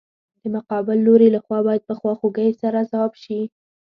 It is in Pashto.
د مقابل لوري له خوا باید په خواخوږۍ سره ځواب شي.